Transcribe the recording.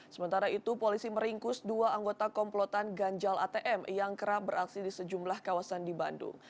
sementara itu polisi meringkus dua anggota komplotan ganjal atm yang kerap beraksi di sejumlah kawasan di bandung